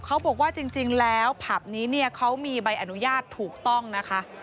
เขาบอกว่าจริงแล้วผับนี้เนี่ยเขามีใบอนุญาตถูกต้องนะคะ